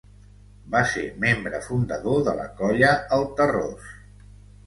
Va ser membre fundador de la Colla el Terròs.